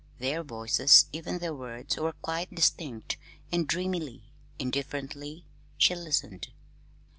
Their voices, even their words, were quite distinct, and dreamily, indifferently, she listened.